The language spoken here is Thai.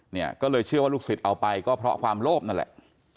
เนี่ยก็เลยเชื่อว่าลูกศิษย์เอาไปก็เพราะความโลภนั่นแหละ